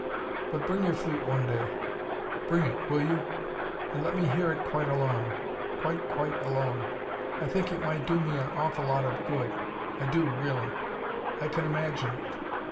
But bring your flute one day. Bring it, will you? And let me hear it quite alone. Quite, quite alone. I think it might do me an awful lot of good. I do, really. I can imagine it."